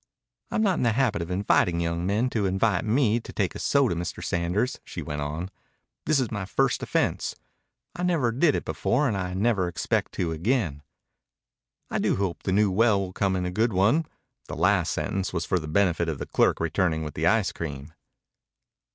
"I'm not in the habit of inviting young men to invite me to take a soda, Mr. Sanders," she went on. "This is my first offense. I never did it before, and I never expect to again.... I do hope the new well will come in a good one." The last sentence was for the benefit of the clerk returning with the ice cream.